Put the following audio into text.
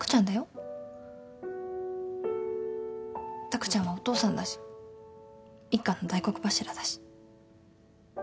拓ちゃんはお父さんだし一家の大黒柱だし。